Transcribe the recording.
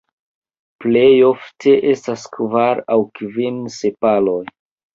Plej ofte estas kvar aŭ kvin sepaloj.